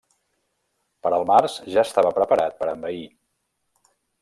Per al març ja estava preparat per envair.